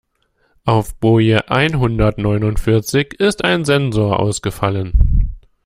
Auf Boje einhundertneunundvierzig ist ein Sensor ausgefallen.